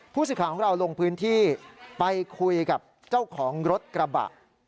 ผู้สื่อข่าวของเราลงพื้นที่ไปคุยกับเจ้าของรถกระบะ